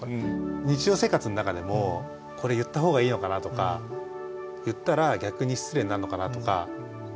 日常生活の中でも「これ言った方がいいのかな」とか「言ったら逆に失礼になるのかな」とかっていうことってあると思うんですよね。